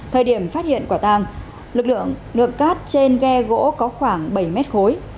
thời điểm phát hiện quả tang lực lượng ghe gỗ có khoảng bảy m khối